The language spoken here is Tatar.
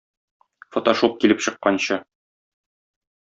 Фотошоп килеп чыкканчы...